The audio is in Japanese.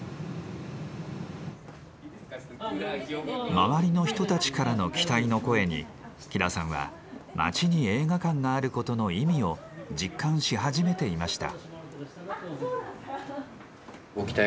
周りの人たちからの期待の声に喜田さんは街に映画館があることの意味を実感し始めていました。